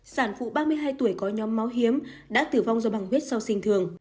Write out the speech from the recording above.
sản phụ ba mươi hai tuổi có nhóm máu hiếm đã tử vong do băng huyết sau sinh thường